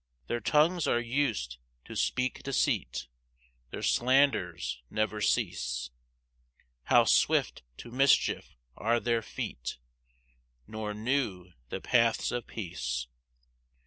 5 Their tongues are us'd to speak deceit, Their slanders never cease; How swift to mischief are their feet, Nor knew the paths of peace.